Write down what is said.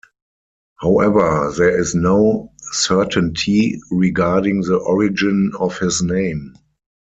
However, there is no certainty regarding the origin of his name.